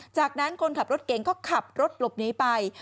จากนั้นคนขับรถเก่งก็ขับรถหลบหนีไป